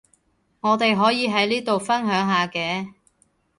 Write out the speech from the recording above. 我哋可以喺呢度分享下嘅